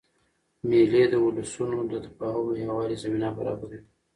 مېلې اد ولسونو د تفاهم او یووالي زمینه برابروي.